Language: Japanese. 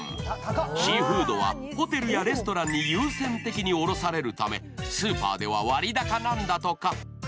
シーフードはホテルやレストランに優先的に卸されるためスーパーでは割高なんだとか。